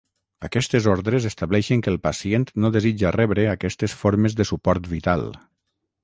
Aquestes ordres estableixen que el pacient no desitja rebre aquestes formes de suport vital.